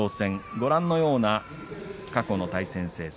ご覧のような過去の対戦成績。